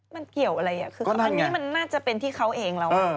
มันเกี่ยวอะไรอ่ะคืออันนี้มันน่าจะเป็นที่เขาเองแล้ว